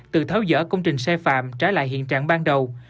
từ tháo dở công trình xe phạm trái lại hiện trạng ban đầu